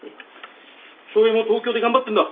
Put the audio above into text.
翔平も東京で頑張ってんだ。